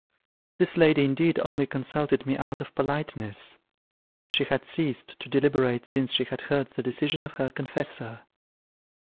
This lady indeed only consulted me out of politeness; she had ceased to deliberate since she had heard the decision of her confessor.